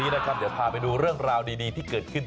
เดี๋ยวพาไปดูเรื่องราวดีที่เกิดขึ้น